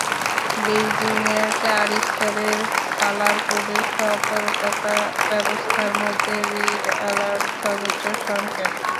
বেইজিংয়ে চার স্তরের কালার-কোডের সতর্কতা ব্যবস্থার মধ্যে রেড অ্যালার্ট সর্বোচ্চ সংকেত।